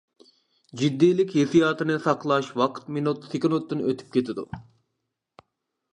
جىددىيلىك ھېسسىياتىنى ساقلاش ۋاقىت مىنۇت سېكۇنتتىن ئۆتۈپ كېتىدۇ.